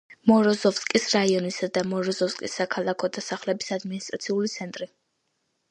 მოროზოვსკის რაიონისა და მოროზოვსკის საქალაქო დასახლების ადმინისტრაციული ცენტრი.